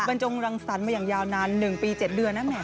บรรจงรังสรรค์มาอย่างยาวนาน๑ปี๗เดือนนะแหม